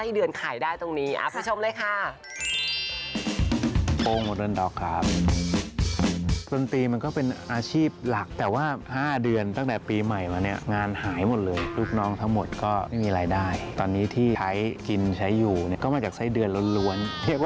เดี๋ยวนะจากมือกองไปเลี้ยงไส้เดือน